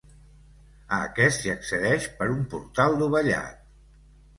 A aquest s'hi accedeix per un portal dovellat.